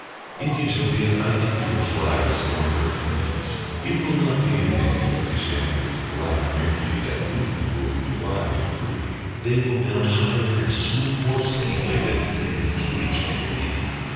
In Utopia I think they will fly with stronger pinions, it will not be in the superficialities of life merely that movement will be wide and free, they will mount higher and swoop more steeply than he in his cage can believe.